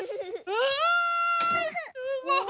うわ！